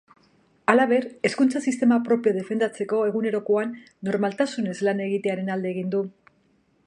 Halaber, hezkuntza sistema propioa defendatzeko egunerokoan normaltasunez lan egitearen alde egin du.